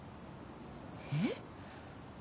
えっ？